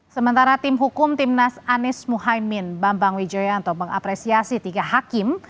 sementara tim hukum timnas anies muhaymin bambang wijoyanto mengapresiasi tiga hakim